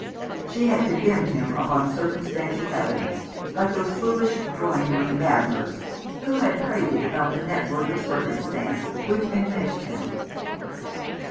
She had condemned him upon circumstantial evidence, like those foolish drawing room babblers who had prated about the network of circumstance which enmeshed him.